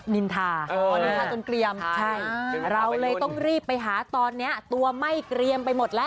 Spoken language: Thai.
นินทานินทาจนเกลียมใช่เราเลยต้องรีบไปหาตอนนี้ตัวไหม้เกรียมไปหมดแล้ว